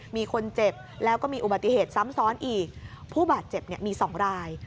มีคนเจ็บแล้วก็มีอุบัติเหตุซ้ำซ้อนอีกผู้บาดเจ็บเนี่ยมีสองราย